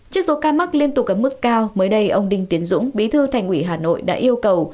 trước số ca mắc liên tục ở mức cao mới đây ông đinh tiến dũng bí thư thành ủy hà nội đã yêu cầu